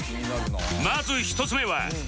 まず１つ目は総額